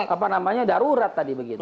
makanya sudah undang undang darurat tadi begitu